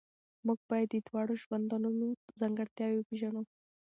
موږ باید د دواړو ژوندونو ځانګړتیاوې وپېژنو.